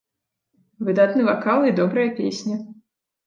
Выдатны вакал і добрая песня.